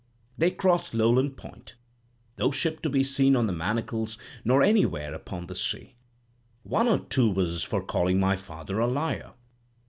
They crossed Lowland Point; no ship to be seen on the Manacles nor anywhere upon the sea. One or two was for calling my father a liar.